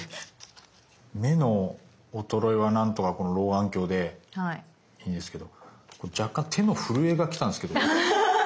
目の衰えはなんとかこの老眼鏡でいいんですけど若干手の震えが来たんすけど。